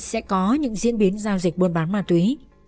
sẽ có những diễn biến giao dịch buôn bán ma túy